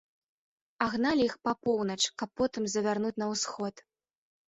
А гналі іх па поўнач, каб потым завярнуць на ўсход.